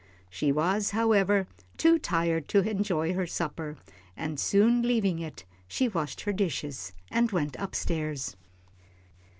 She was, however, too tired to enjoy her supper, and soon leaving it, she washed her dishes and went up stairs.